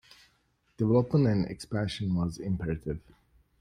Development and expansion was imperative.